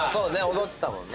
踊ってたもんね。